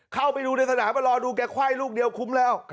เข้าไปดูในสนามมารอดูแกไขว้ลูกเดียวคุ้มแล้ว